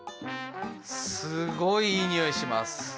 すごいいい匂いします